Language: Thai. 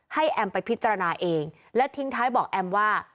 แอมไปพิจารณาเองและทิ้งท้ายบอกแอมว่า